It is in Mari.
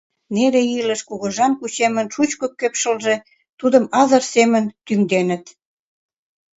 Неле илыш, кугыжан кучемын шучко кепшылже тудым азыр семын тӱҥденыт.